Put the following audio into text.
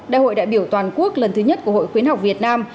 đại hội đại biểu toàn quốc lần thứ nhất của hội khuyến học việt nam